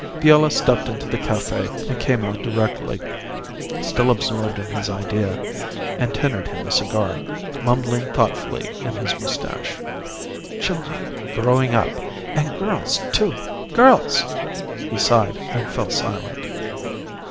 Viola stepped into the cafe and came out directly, still absorbed in his idea, and tendered him a cigar, mumbling thoughtfully in his moustache, "Children growing up and girls, too! Girls!" He sighed and fell silent.